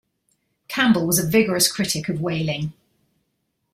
Campbell was a vigorous critic of whaling.